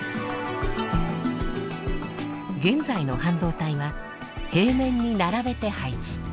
現在の半導体は平面に並べて配置。